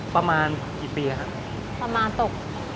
ประมาณกี่ปีครับประมาณตก